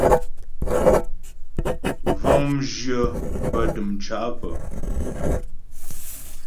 Vəŋ mjyə̂ bə́ dəmcá pə́.